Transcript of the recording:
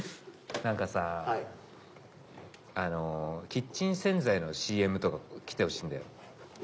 なんかさあのキッチン洗剤のＣＭとか来てほしいんだよ。